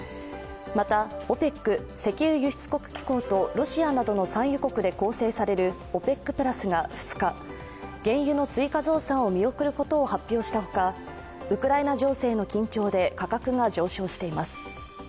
またＯＰＥＣ＝石油輸出国機構とロシアなどの産油国で構成されるＯＰＥＣプラスが２日、原油の追加増産を見送ることを発表したほか、ウクライナ情勢の緊張で価格が上昇しています。